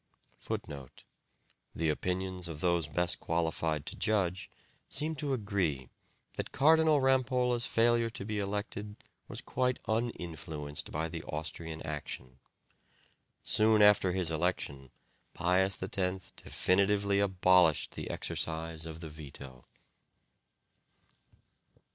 [*][*] The opinions of those best qualified to judge seem to agree that Cardinal Rampolla's failure to be elected was quite uninfluenced by the Austrian action. Soon after his election Pius X definitively abolished the exercise of the veto.